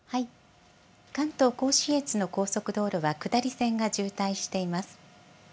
関東甲信越の高速道路は下り線が渋滞しています。